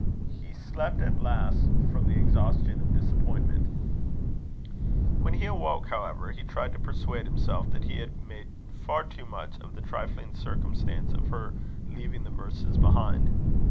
He slept at last, from the exhaustion of disappointment. When he awoke, however, he tried to persuade himself that he had made far too much of the trifling circumstance of her leaving the verses behind.